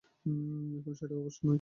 এখন সেটাও অবশ্য নেই।